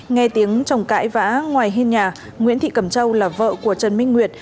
nghe tiếng trồng cãi vã ngoài hên nhà nguyễn thị cẩm châu là vợ của trần minh nguyệt